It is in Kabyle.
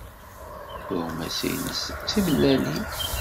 Tuɣmas-nnes d timellalin.